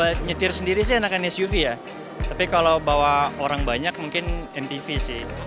kalau nyetir sendiri sih enakan suv ya tapi kalau bawa orang banyak mungkin mpv sih